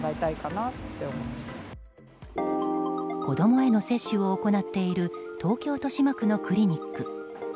子供への接種を行っている東京・豊島区のクリニック。